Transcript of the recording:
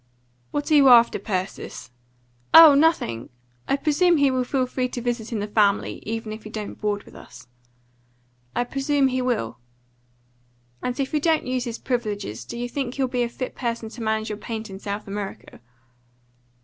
"What are you after, Persis?" "Oh, nothing! I presume he will feel free to visit in the family, even if he don't board with us." "I presume he will." "And if he don't use his privileges, do you think he'll be a fit person to manage your paint in South America?"